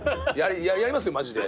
やりますよマジで。